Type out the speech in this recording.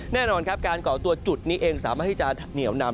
แน่นอนครับการก่อตัวจุดนี้เองสามารถที่จะเหนียวนำ